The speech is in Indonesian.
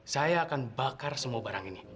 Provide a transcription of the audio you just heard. saya akan bakar semua barang ini